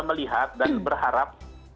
melihat dan berharap